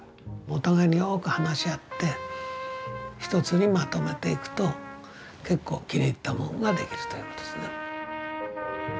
お互いによく話し合って一つにまとめていくと結構気に入ったもんができるということですな。